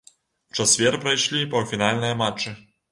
У чацвер прайшлі паўфінальныя матчы.